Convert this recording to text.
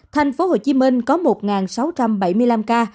thành phố hồ chí minh có một sáu trăm bảy mươi năm ca